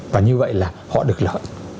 và như vậy là họ được lợi